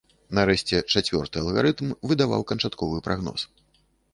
Нарэшце, чацвёрты алгарытм выдаваў канчатковы прагноз.